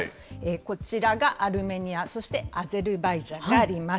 こちらがアルメニア、そしてアゼルバイジャンがあります。